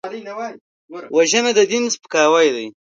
وژنه د دین سپکاوی دی